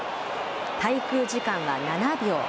滞空時間は７秒。